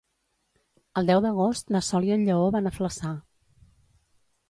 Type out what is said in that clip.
El deu d'agost na Sol i en Lleó van a Flaçà.